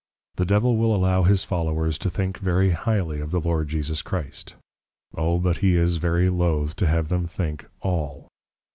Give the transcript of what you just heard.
The Devil will allow his Followers to think very highly of the Lord Jesus Christ; O but he is very lothe to have them think, All.